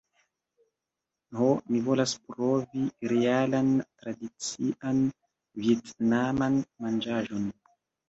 "Ho, mi volas provi realan tradician vjetnaman manĝaĵon